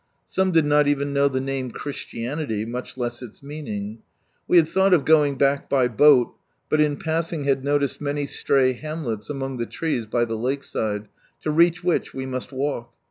Some did not even know the name "Christianity," much less its meaning. We had thought of going back by boat, but in passing had noticed many stray hamlets among the trees by the lake side, to reach which we must walk.